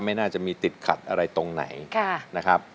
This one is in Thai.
ไม่น่าจะมีติดขัดอะไรตรงไหนนะครับ